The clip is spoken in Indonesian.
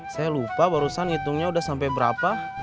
saya lupa barusan hitungnya udah sampai berapa